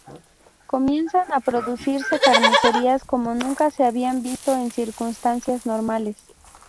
Comienzan a producirse carnicerías como nunca se habían visto en circunstancias normales.